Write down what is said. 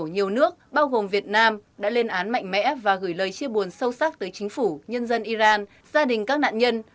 nhiều nước bao gồm việt nam đã lên án mạnh mẽ và gửi lời chia buồn sâu sắc tới chính phủ nhân dân iran gia đình các nạn nhân